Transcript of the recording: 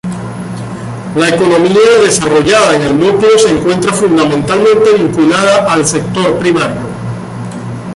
La economía desarrollada en el núcleo se encuentra fundamentalmente vinculada al sector primario.